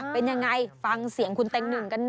เป็นยังไงฟังเสียงคุณเต็งหนึ่งกันหน่อย